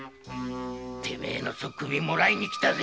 てめえの首貰いに来たぜ！